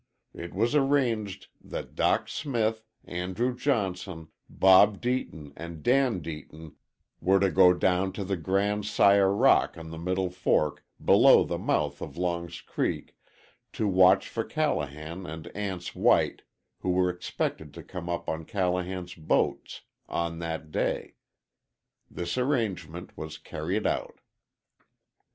It was arranged that Dock Smith, Andrew Johnson, Bob Deaton and Dan Deaton were to go down to the Grand Sire Rock on the Middle Fork, below the mouth of Long's Creek, to watch for Callahan and Anse White, who were expected to come up on Callahan's boats on that day. This arrangement was carried out.